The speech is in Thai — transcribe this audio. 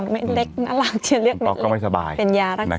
๒เม็ดเล็กแนลากแชเรียก๒เม็ดเล็กเป็นยารักษา